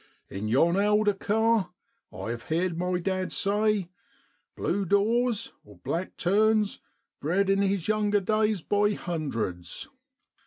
In yon alder carr, I've heerd my dad say, ' blue dorrs' (black terns) bred in his younger days by hundreds.